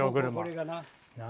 これがな。